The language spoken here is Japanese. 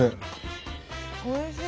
おいしい。